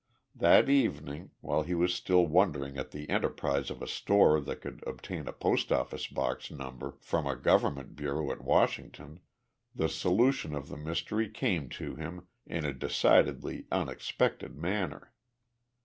That evening, while he was still wondering at the enterprise of a store that could obtain a post office box number from a government bureau at Washington, the solution of the mystery came to him in a decidedly unexpected manner.